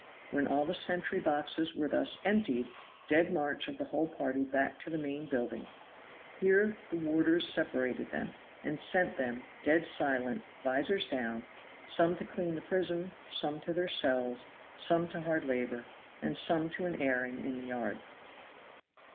When all the sentry boxes were thus emptied, dead march of the whole party back to the main building; here the warders separated them, and sent them, dead silent, vizors down, some to clean the prison, some to their cells, some to hard labor, and some to an airing in the yard.